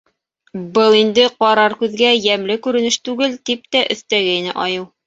Был инде ҡарар күҙгә йәмле күренеш түгел, — тип тә өҫтәгәйне айыу.